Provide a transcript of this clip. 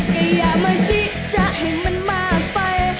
ก็อย่ามาจิจะให้มันมากไป